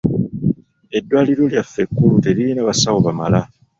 Eddwaliro lyaffe ekkulu teririna basawo bamala.